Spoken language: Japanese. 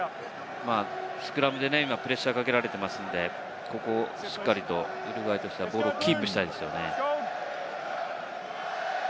スクラムでプレッシャーをかけられていますので、ここをしっかりとウルグアイとしてはボールをキープしたいですよね。